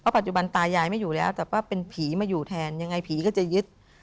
ปัจจุบันตายายไม่อยู่แล้วแต่ว่าเป็นผีมาอยู่แทนยังไงผีก็จะยึด